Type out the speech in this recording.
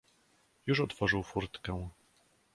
"Już otworzył furtkę."